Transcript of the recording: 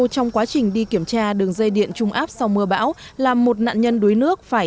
trong quá trình đi kiểm tra đường dây điện trung áp sau mưa bão làm một nạn nhân đuối nước phải